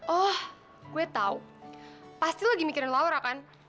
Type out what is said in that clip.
oh gue tau pasti lagi mikirin laura kan